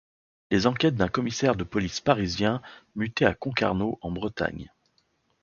Les enquêtes d'un commissaire de police parisien muté à Concarneau en Bretagne.